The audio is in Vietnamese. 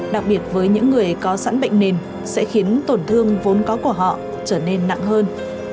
đặc biệt với những người có sẵn bệnh nền sẽ khiến tổn thương vốn có của họ trở nên nặng hơn